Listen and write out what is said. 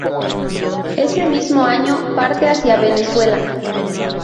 Ese mismo año parte hacia Venezuela.